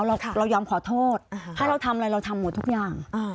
เรายอมขอโทษถ้าเราทำอะไรเราทำหมดทุกอย่าง